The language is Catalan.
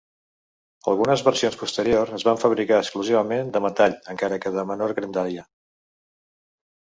Algunes versions posteriors es van fabricar exclusivament de metall encara que de menor grandària.